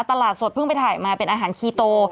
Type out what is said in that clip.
ตลาดสดเพิ่งไปถ่ายมาเป็นอาหารคีโต